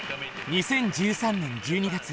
２０１３年１２月。